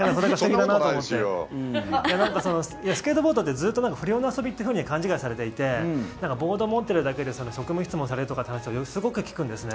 スケートボードってずっと不良の遊びって勘違いされていてボードを持ってるだけで職務質問される話をすごく聞くんですね。